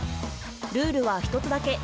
ルールは１つだけ。